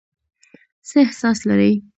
څه احساس لرئ ؟